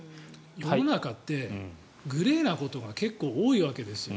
世の中ってグレーなことが結構多いわけですよ。